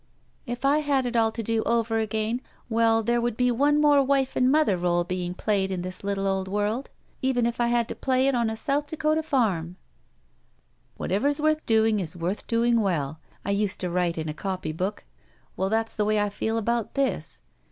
"If I had it to do over again — ^well, there would be one more wife and mother role being played in this little old world, even if I had to play it on a South Dakota farm. '' "'Whatever is worth doing is worth doing well,' I used to write in a copy book. Well, that's the way I feel about this.